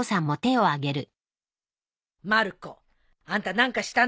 まる子あんた何かしたね？